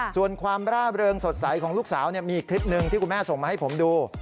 ส่วนความร่าเริงสดใสของลูกสาวมีอีกคลิปหนึ่งที่คุณแม่ส่งมาให้ผมดู